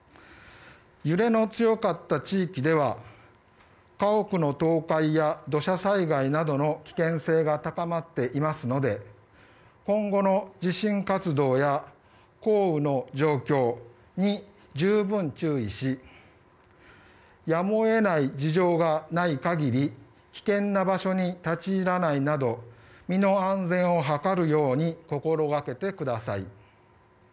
揺れの強かった地域では家屋の倒壊や土砂災害などの危険性が高まっていますので今後の地震活動や降雨の状況に十分注意しやむを得ない事情がない限り危険な場所に立ち入らないなど身の安全を図るように心がけてください。